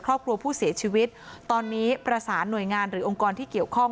ครอบครัวผู้เสียชีวิตตอนนี้ประสานหน่วยงานหรือองค์กรที่เกี่ยวข้อง